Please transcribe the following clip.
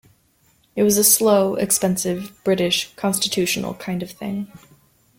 It is a slow, expensive, British, constitutional kind of thing.